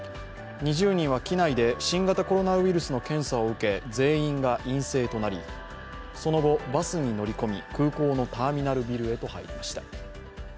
２０人は機内で新型コロナウイルスの検査を受け、全員が陰性となりその後、バスに乗り込み空港のターミナルビルへと入りました。